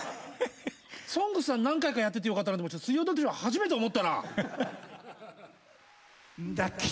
「ＳＯＮＧＳ」は何回かやっててよかったなと思ったけど「水曜どうでしょう」は初めて思ったなぁ。